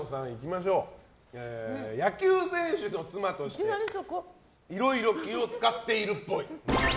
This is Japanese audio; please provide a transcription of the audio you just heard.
野球選手の妻として色々気を使っているっぽい。